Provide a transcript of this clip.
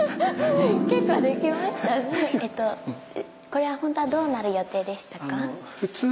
これはほんとはどうなる予定でしたか？